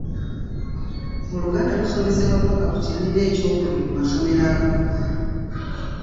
Oluganda lusomesebwa ppaka ku kibiina eky'okubiri mu masomero agamu.